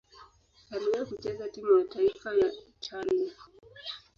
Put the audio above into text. Aliwahi kucheza timu ya taifa ya Italia.